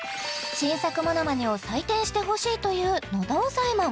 新作モノマネを採点してほしいという喉押さえマン